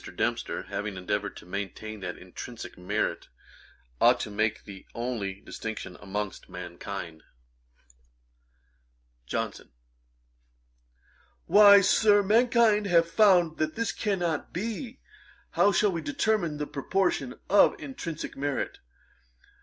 Dempster having endeavoured to maintain that intrinsick merit ought to make the only distinction amongst mankind. JOHNSON. 'Why, Sir, mankind have found that this cannot be. How shall we determine the proportion of intrinsick merit?